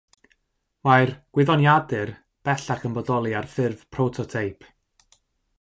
Mae'r "Gwyddoniadur" bellach yn bodoli ar ffurf prototeip.